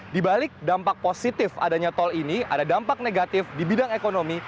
di balik dampak positif adanya tol ini ada dampak negatif di bidang ekonomi